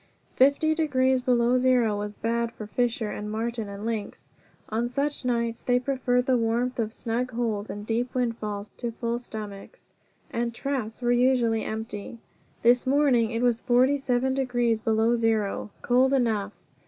Fifty degrees below zero was bad for fisher and marten and lynx; on such nights they preferred the warmth of snug holes and deep windfalls to full stomachs, and his traps were usually empty. This morning it was forty seven degrees below zero. Cold enough!